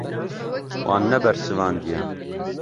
Wan nebersivandiye.